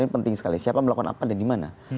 ini penting sekali siapa melakukan apa dan dimana